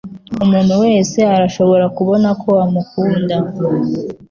Umuntu wese arashobora kubona ko amukunda.